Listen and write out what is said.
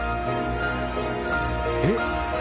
えっ？